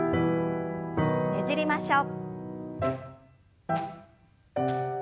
ねじりましょう。